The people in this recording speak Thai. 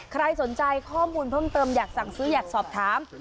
ใครสนใจข้อมูลเพิ่มเติมอยากสั่งซื้ออยากสอบถาม